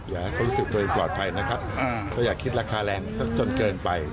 อยากให้เขารู้สึกตัวเองปลอดภัยนะครับก็อย่าคิดราคาแรงสักจนเกินไป